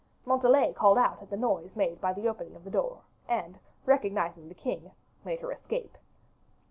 Montalais called out at the noise made by the opening of the door, and, recognizing the king, made her escape.